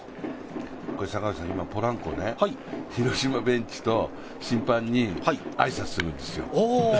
今、ポランコ、広島ベンチと審判に挨拶するんですよ。